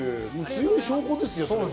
強い証拠ですよ。